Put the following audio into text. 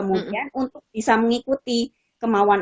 untuk bisa mengikuti kemauan